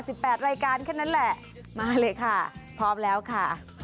แปดรายการแค่นั้นแหละมาเลยค่ะพร้อมแล้วค่ะ